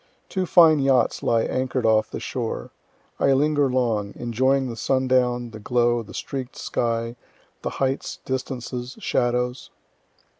Two fine yachts lie anchor'd off the shore. I linger long, enjoying the sundown, the glow, the streak'd sky, the heights, distances, shadows.